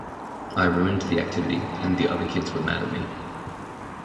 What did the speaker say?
I ruined the activity and the other kids were mad at me.